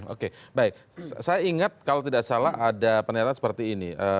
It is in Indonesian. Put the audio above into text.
oke baik saya ingat kalau tidak salah ada pernyataan seperti ini